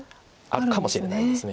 あるかもしれないです。